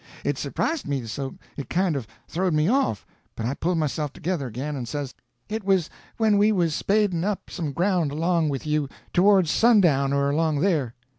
It surprised me so it kind of throwed me off, but I pulled myself together again and says: "It was when he was spading up some ground along with you, towards sundown or along there."